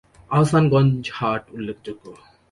আহসানগঞ্জ হাট উল্লেখযোগ্য।